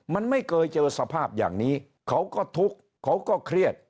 มันไม่เคยเจอสภาพอย่างนี้เขาก็ทุกข์เขาก็เครียด